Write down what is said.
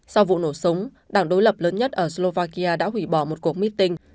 sau vụ nổ súng đảng đối lập lớn nhất ở slovakia đã hủy bỏ một cuộc meeting